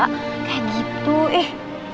kayak gitu ih